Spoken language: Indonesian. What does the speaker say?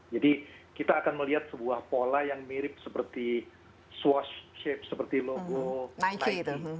jadi kita akan melihat sebuah pola yang mirip seperti swash shape seperti logo nike